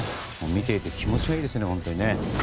見ていて気持ちがいいですよね。